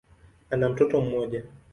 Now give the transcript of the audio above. Ana mtoto mmoja.